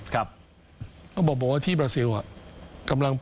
ก็บอกว่าที่ประเซล